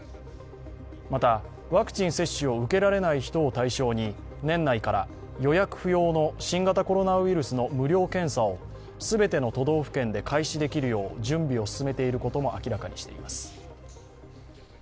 またワクチン接種を受けられない人を対象に、年内から予約不要の新型コロナウイルスの無料検査を全ての都道府県で開始できるよう準備を進めていることも明らかにしています。